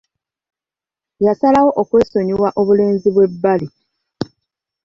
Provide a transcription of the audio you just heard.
Yasalawo okwesonyiwa obulenzi bw'ebbali.